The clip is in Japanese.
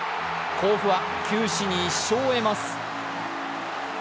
甲府は九死に一生を得ます。